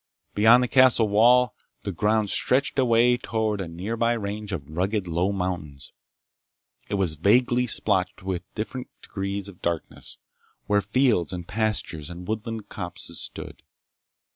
Beyond the castle wall the ground stretched away toward a nearby range of rugged low mountains. It was vaguely splotched with different degrees of darkness, where fields and pastures and woodland copses stood.